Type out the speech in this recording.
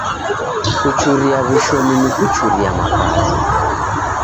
Kuchuria w'ushomi ni kuchuria mapato.